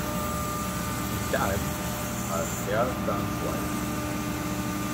In time, her hair turns white.